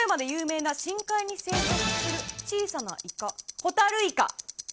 深海に生息する小さなイカ、ホタルイカ。